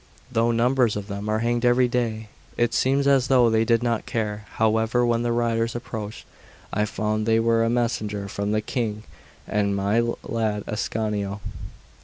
Though numbers of them are hanged every day, it seems as though they did not care. However, when the riders approached, I found they were a messenger from the King and my lad Ascanio.